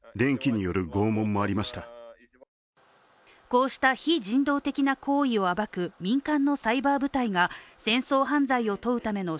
こうした非人道的な行為を暴く民間のサイバー部隊が戦争犯罪を問うための